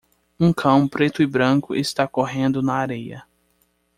Um cão preto e branco está correndo na areia.